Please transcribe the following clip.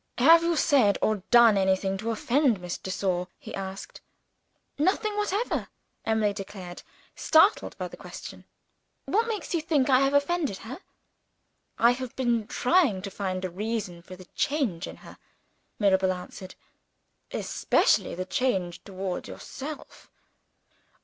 "Have you said, or done, anything to offend Miss de Sor?" he asked. "Nothing whatever!" Emily declared, startled by the question. "What makes you think I have offended her?" "I have been trying to find a reason for the change in her," Mirabel answered "especially the change toward yourself."